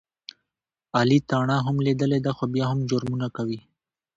علي تاڼه هم لیدلې ده، خو بیا هم جرمونه کوي.